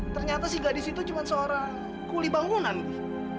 ternyata si gadis itu cuma seorang kulit bangunan di